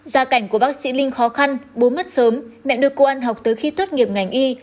gia cảnh của bác sĩ linh khó khăn bố mất sớm mẹ đưa cô ăn học tới khi tốt nghiệp ngành y